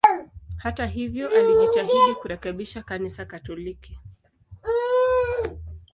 Hata hivyo, alijitahidi kurekebisha Kanisa Katoliki.